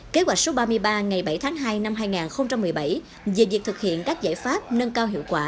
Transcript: kế hoạch số ba mươi ba ngày bảy tháng hai năm hai nghìn một mươi bảy về việc thực hiện các giải pháp nâng cao hiệu quả